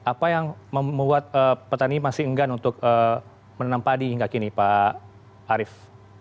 apa yang membuat petani masih enggan untuk menanam padi hingga kini pak arief